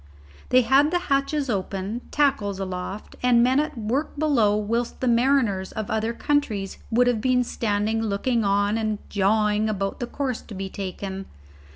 They had the hatches open, tackles aloft, and men at work below whilst the mariners of other countries would have been standing looking on and "jawing" upon the course to be taken.